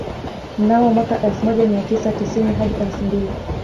Mnamo mwaka elfu moja mia tisa tisini hadi elfu mbili